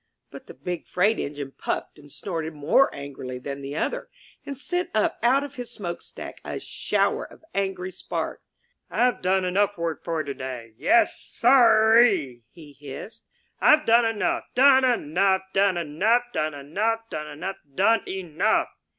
*' But the Big Freight Engine puffed and snorted more angrily than the other, and sent up out of his smokestack a shower of angry sparks. '^Fve done enough work for today! Yes s s S s sir eeT' he hissed, 'Tve done enough, done enough, done enough, done enough, done enough, done enough!'